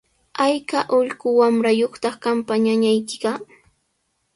¿Ayka ullqu wamrayuqtaq qampa ñañaykiqa?